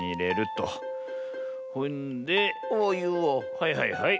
はいはいはい。